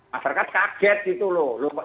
masyarakat kaget gitu loh